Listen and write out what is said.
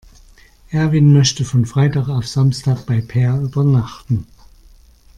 Erwin möchte von Freitag auf Samstag bei Peer übernachten.